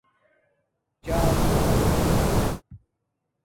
چاقُݸ